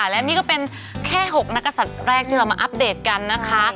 และนี่ก็เป็นแค่๖นักศัตริย์แรกที่เรามาอัปเดตกันนะคะ